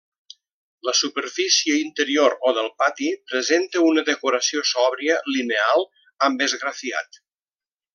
La superfície interior o del pati presenta una decoració sòbria, lineal, amb esgrafiat.